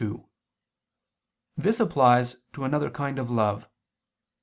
2: This applies to another kind of love.